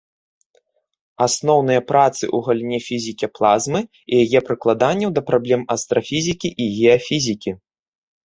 Асноўныя працы ў галіне фізікі плазмы і яе прыкладанняў да праблем астрафізікі і геафізікі.